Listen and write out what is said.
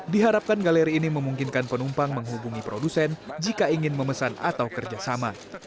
diharapkan galeri ini memungkinkan penumpang menghubungi produsen jika ingin memesan atau kerjasama